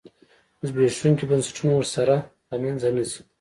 زبېښونکي بنسټونه ورسره له منځه نه ځي.